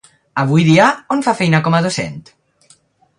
Avui dia, on fa feina com a docent?